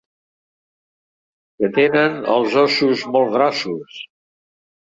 Que tenen els ossos molt grossos.